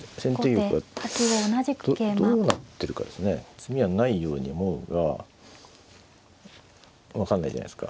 詰みはないように思うが分かんないじゃないですか。